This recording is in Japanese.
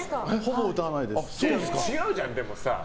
違うじゃん、でも。